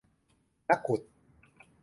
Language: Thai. นักขุด